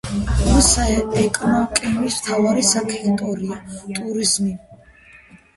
ურის ეკონომიკის მთავარი სექტორია ტურიზმი.